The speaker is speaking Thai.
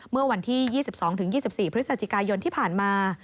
เมื่อวันที่๒๒๒๔พฤศจิกายนที่ผ่านมา